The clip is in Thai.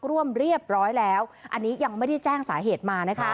ร่วมเรียบร้อยแล้วอันนี้ยังไม่ได้แจ้งสาเหตุมานะคะ